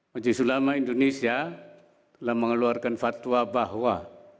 majlis ulama indonesia telah mengeluarkan fatwa bahwa